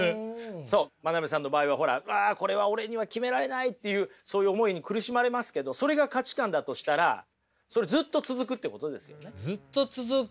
そう真鍋さんの場合はほら「うわこれは俺には決められない」っていうそういう思いに苦しまれますけどそれが価値観だとしたらそれずっと続くってことですよね。